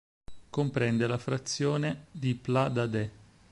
Comprende la frazione di Pla-d'Adet.